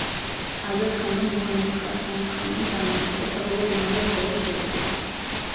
აზად ხანმა მუჰამედ ჰასან ხანი დაამარცხა და საბოლოოდ, იმავე ბრძოლას შეეწირა.